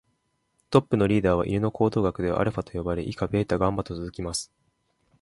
トップのリーダーは犬の行動学ではアルファと呼ばれ、以下ベータ、ガンマと続きます。